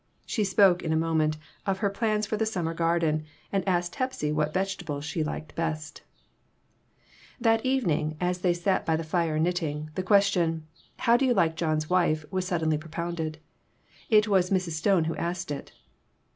She spoke, in a moment, of her plans for the summer garden, and asked Hepsy what vege tables she liked best. PERTURBATIONS. 6 1 That evening, as they sat by the fire knitting, the question, "How do you like John's wife?" was suddenly propounded. It was Mrs. Stone who asked it.